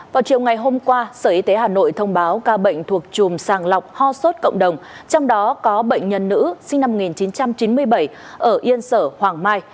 vào chiều ngày hôm qua sở y tế hà nội thông báo ca bệnh thuộc chùm sàng lọc ho sốt cộng đồng trong đó có bệnh nhân nữ sinh năm một nghìn chín trăm chín mươi bảy ở yên sở hoàng mai